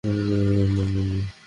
তোমার নাম মিমি?